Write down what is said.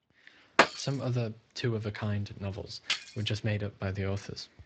Some other "Two of a Kind" novels were just made up by the authors.